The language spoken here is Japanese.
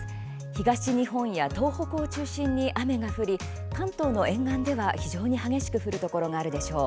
東日本や東北を中心に雨が降り、関東の沿岸では非常に激しく降るところがあるでしょう。